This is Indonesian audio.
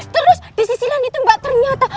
terus disisi lain itu mbak ternyata